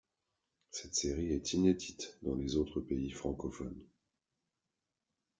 Cette série est inédite dans les autres pays francophones.